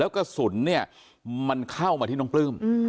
กระสุนเข้ามาที่น้องปลื้ม